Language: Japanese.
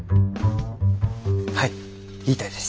はい言いたいです。